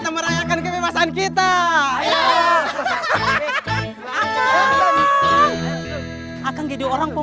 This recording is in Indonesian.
terima kasih ya cause kita auto keras